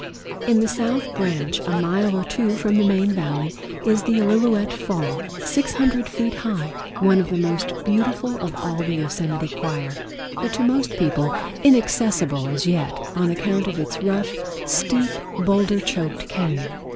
In the south branch, a mile or two from the main Valley, is the Illilouette Fall, 600 feet high, one of the most beautiful of all the Yosemite choir, but to most people inaccessible as yet on account of its rough, steep, boulder choked cañon.